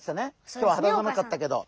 今日ははだ寒かったけど。